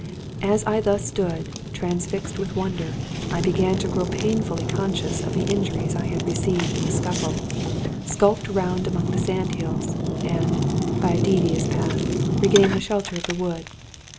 As I thus stood, transfixed with wonder, I began to grow painfully conscious of the injuries I had received in the scufHe; skulked round among the sand hills; and, by a devious path, regained the shelter of the wood.